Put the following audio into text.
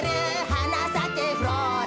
「はなさけフローラ」